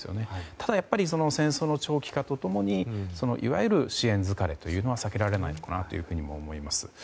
ただ、戦争の長期化と共にいわゆる支援疲れというのは避けられないのかなと思います。